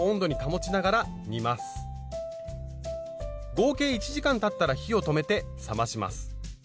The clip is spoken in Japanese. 合計１時間たったら火を止めて冷まします。